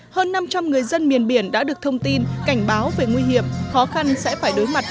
hơn năm trăm linh người dân miền biển đã được thông tin cảnh báo về nguy hiểm khó khăn sẽ phải đối mặt